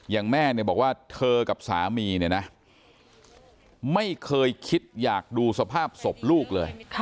อย่างแม่เนี่ยบอกว่าเธอกับสามีเนี่ยนะไม่เคยคิดอยากดูสภาพศพลูกเลย